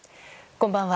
こんばんは。